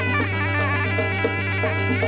mereka akan menjelaskan kekuatan mereka